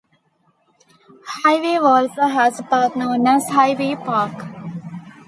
Highview also has a park known as Highview Park.